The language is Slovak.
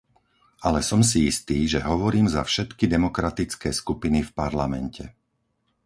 Ale som si istý, že hovorím za všetky demokratické skupiny v Parlamente.